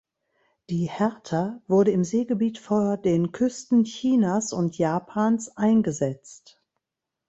Die "Hertha" wurde im Seegebiet vor den Küsten Chinas und Japans eingesetzt.